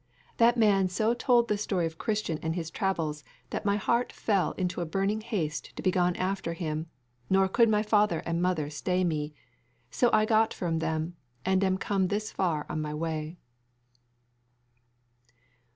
That man so told the story of Christian and his travels that my heart fell into a burning haste to be gone after him, nor could my father and mother stay me, so I got from them, and am come thus far on my way."